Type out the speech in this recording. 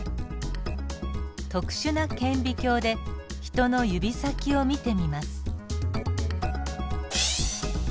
特殊な顕微鏡で人の指先を見てみます。